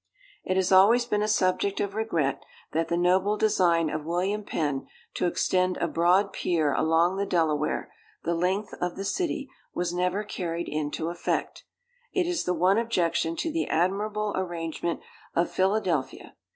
It has always been a subject of regret that the noble design of William Penn to extend a broad pier along the Delaware, the length of the city, was never carried into effect: it is the one objection to the admirable arrangement of Philadelphia.